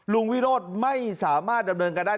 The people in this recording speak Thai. วิโรธไม่สามารถดำเนินการได้